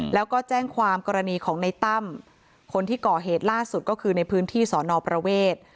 แล้วก็แจ้งความกรณีของในตั้มคนที่ก่อเหตุล่าสุดก็คือในพื้นที่สอนอประเวท